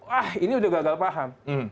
wah ini udah gagal paham